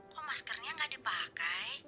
kok maskernya nggak dipakai